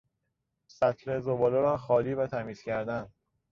سطل زباله را خالی و تمیز کردن